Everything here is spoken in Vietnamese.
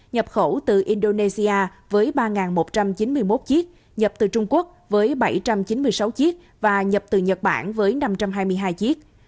nhập khẩu từ indonesia với ba một trăm chín mươi một chiếc nhập từ trung quốc với bảy trăm chín mươi sáu chiếc và nhập từ nhật bản với năm trăm hai mươi hai chiếc